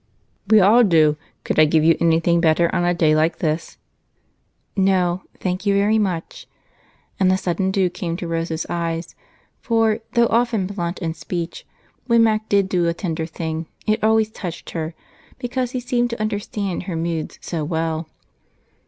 "We all do. Could I give you anything better on a day like this?" "No thank you very much." And a sudden dew came to Rose's eyes, for, though often blunt in speech, when Mac did do a tender thing, it always touched her because he seemed to understand her moods so well.